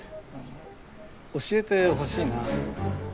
教えてほしいな。